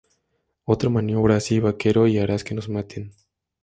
Otra maniobra así, vaquero, y harás que nos maten.